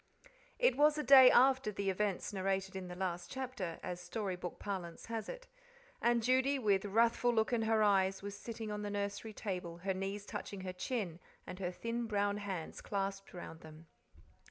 It was a day after "the events narrated in the last chapter," as story book parlance has it. And Judy, with a wrathful look in her eyes, was sitting on the nursery table, her knees touching her chin and her thin brown hands clasped round them.